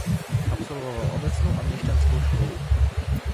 Absolvoval obecnou a měšťanskou školu.